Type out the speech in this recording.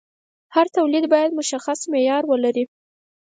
هر تولید باید مشخص معیار ولري.